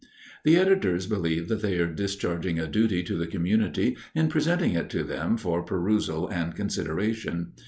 The editors believe that they are discharging a duty to the community in presenting it to them for perusal and consideration.